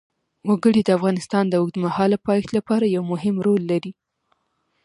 وګړي د افغانستان د اوږدمهاله پایښت لپاره یو مهم رول لري.